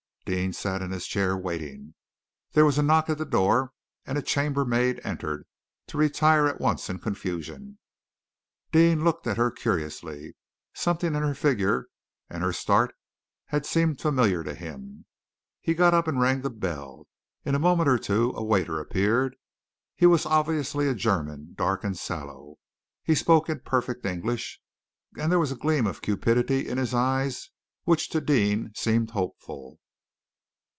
Deane sat in his chair, waiting. There was a knock at the door and a chambermaid entered, to retire at once in confusion. Deane looked at her curiously. Something in her figure and her start had seemed familiar to him. He got up and rang the bell. In a moment or two a waiter appeared. He was obviously a German, dark and sallow. He spoke imperfect English, and there was a gleam of cupidity in his eyes which to Deane seemed hopeful.